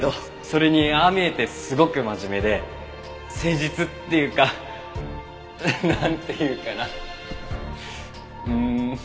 それにああ見えてすごく真面目で誠実っていうかなんていうかなうん。